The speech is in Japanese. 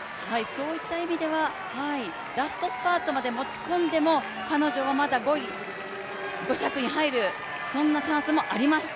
そういった意味では、ラストスパートまで持ち込んでも彼女はまだ５位、５着に入るそんなチャンスもあります。